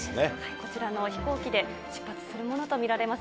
こちらの飛行機で出発するものと見られます。